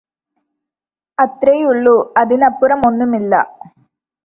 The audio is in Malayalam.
അത്രയേയുള്ളൂ അതിനപ്പുറം ഒന്നുമില്ല